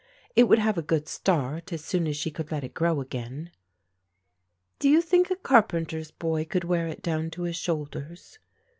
It would have a good start as soon as she could let it grow again. "Do you think a carpenter's boy could wear it down to his shoulders?"